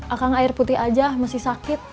akang air putih aja masih sakit